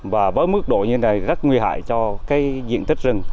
và với mức độ như thế này rất nguy hại cho diện tích rừng